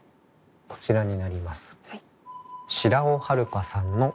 こちらになります。